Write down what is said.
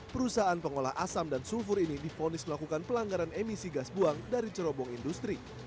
perusahaan pengolah asam dan sulfur ini difonis melakukan pelanggaran emisi gas buang dari cerobong industri